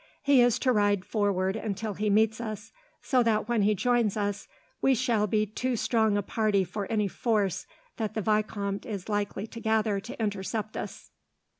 He is to ride forward until he meets us, so that when he joins us, we shall be too strong a party for any force that the vicomte is likely to gather to intercept us."